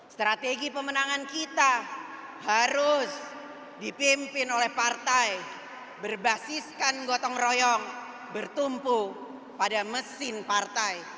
strategi pemenangan kita harus dipimpin oleh partai berbasiskan gotong royong bertumpu pada mesin partai